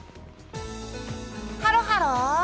ハロハロ！